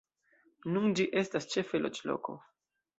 Nun ĝi estas ĉefe loĝloko.